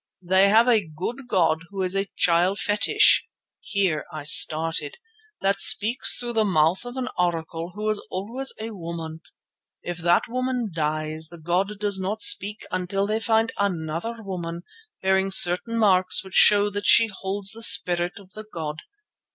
They have a good god who is a child fetish" (here I started) "that speaks through the mouth of an oracle who is always a woman. If that woman dies the god does not speak until they find another woman bearing certain marks which show that she holds the spirit of the god.